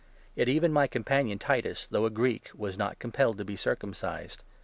Yet even 3 my companion, Titus, though a Greek, was not compelled to be circumcised.